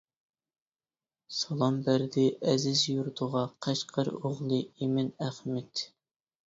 سالام بەردى ئەزىز يۇرتىغا، قەشقەر ئوغلى ئىمىن ئەخمىدى.